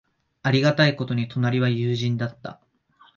ありがたいことに、隣は友人だった。